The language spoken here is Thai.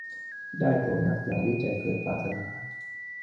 ได้คนรักอย่างที่ใจเคยปรารถนา